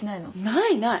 ないない！